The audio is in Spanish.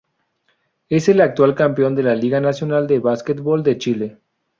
Es el actual campeón de la Liga Nacional de Básquetbol de Chile.